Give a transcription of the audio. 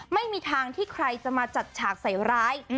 ไม่มีทางที่ใครจะมาจัดฉากใส่ร้าย